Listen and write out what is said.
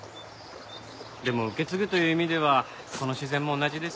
でも受け継ぐという意味ではこの自然も同じですね。